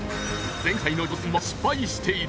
前回の挑戦は失敗している。